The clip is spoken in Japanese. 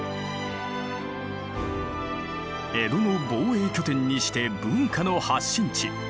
江戸の防衛拠点にして文化の発信地。